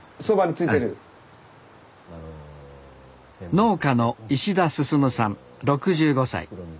農家の石田進さん６５歳。